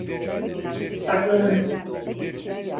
Saklanın!